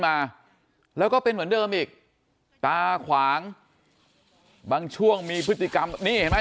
มาแล้วก็เป็นเหมือนเดิมอีกตาขวางบางช่วงมีพฤติกรรมนี่เห็นไหม